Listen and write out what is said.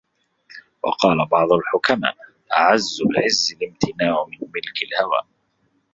وَقَالَ بَعْضُ الْحُكَمَاءِ أَعَزُّ الْعِزِّ الِامْتِنَاعُ مِنْ مِلْكِ الْهَوَى